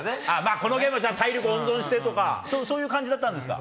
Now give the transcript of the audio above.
このゲームは体力温存してとかという感じだったんですか？